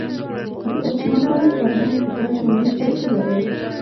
د اوسمهالي فرهنګ په کچ و میچ عجیبه دی.